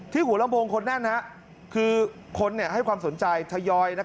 หัวลำโพงคนแน่นคือคนให้ความสนใจทยอย